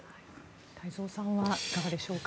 太蔵さんはいかがでしょうか？